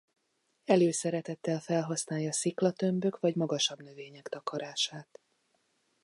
Előszeretettel felhasználja sziklatömbök vagy magasabb növények takarását.